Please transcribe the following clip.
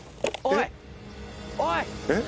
おい！